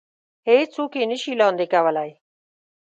هېڅ څوک يې نه شي لاندې کولی.